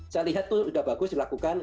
saya lihat itu sudah bagus dilakukan